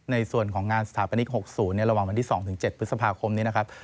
ในส่วนของงานสถาปนิก๖๐ในระหว่างวันที่๒๗พฤษภาคมนี้นะครับ